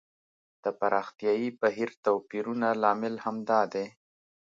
د پراختیايي بهیر توپیرونه لامل همدا دی.